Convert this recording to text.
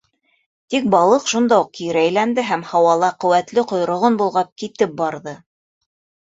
Тик балыҡ шунда уҡ кире әйләнде һәм, һауала ҡеүәтле ҡойроғон болғап, китеп барҙы.